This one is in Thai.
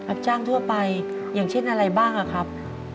รับจ้างทั่วไปอย่างเช่นอะไรบ้างอะครับ